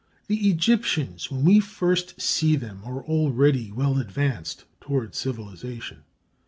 The Egyptians, when we first see them, are already well advanced toward civilization.